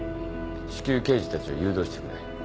至急刑事たちを誘導してくれ。